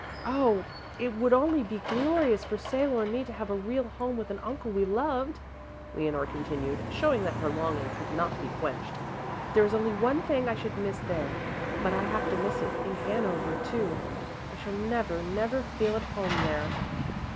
"Oh, it would only be glorious for Salo and me to have a real home with an uncle we loved," Leonore continued, showing that her longing could not be quenched. "There is only one thing I should miss there, but I have to miss it in Hanover, too. I shall never, never feel at home there!"